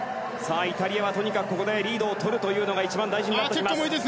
イタリアはとにかくここでリードを取るというのが一番大事になってきます。